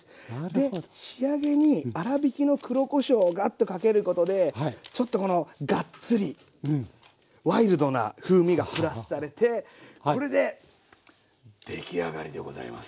で仕上げに粗びきの黒こしょうガッとかけることでちょっとこのガッツリワイルドな風味がプラスされてこれで出来上がりでございます。